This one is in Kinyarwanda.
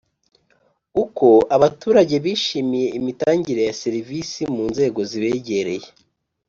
Uko Abaturage bishimiye imitangire ya serivisi mu nzego zibegereye